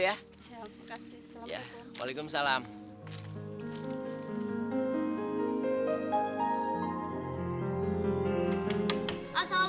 ya makasih salam sehat